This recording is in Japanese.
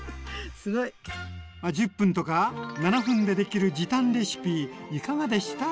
すごい！１０分とか７分でできる時短レシピいかがでした？